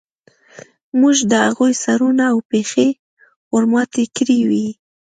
موږ د هغوی سرونه او پښې ورماتې کړې وې